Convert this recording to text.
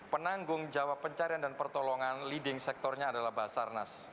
penanggung jawab pencarian dan pertolongan leading sektornya adalah basarnas